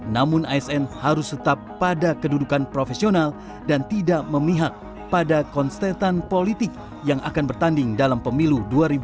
namun asn harus tetap pada kedudukan profesional dan tidak memihak pada konstetan politik yang akan bertanding dalam pemilu dua ribu dua puluh